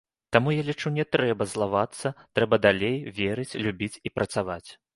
Таму, я лічу, не трэба злавацца, трэба далей верыць, любіць і працаваць.